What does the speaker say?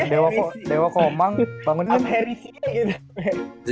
dewa dewa komang bangunan herisi